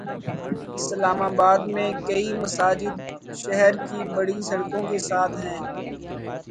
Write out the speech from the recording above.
اسلام آباد میں کئی مساجد شہرکی بڑی سڑکوں کے ساتھ ہیں۔